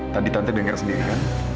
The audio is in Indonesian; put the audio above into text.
tadi tante dengar sendiri kan